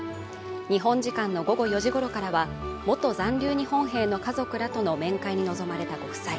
日本時間の午後４時ごろからは元残留日本兵の家族らとの面会に臨まれたご夫妻。